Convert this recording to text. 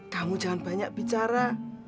kamu jangan banyak bicara